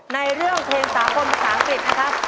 ในเรื่องเพลงสากลภาษาอังกฤษนะครับ